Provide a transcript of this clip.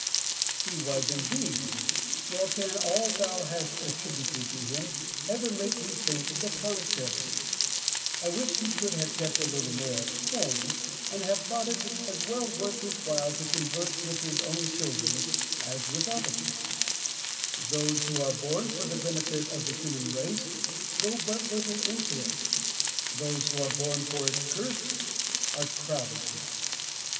He was indeed ; nor can all thou hast attri buted to him ever make me think the contrary. I wish he could have kept a little more at home, and have thought it as well worth his while to converse with his own childi en as with others. Plato. He knew himself born for the benefit of the human race. Diogenes. Those who are born for the benefit of the human race go but little into it : those who are born for its curse are crowded.